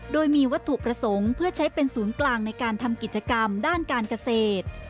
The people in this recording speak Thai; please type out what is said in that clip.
โดยมีวัตถุประสงค์เพื่อใช้เป็นศูนย์กลางในการทำกิจกรรมด้านการเกษตร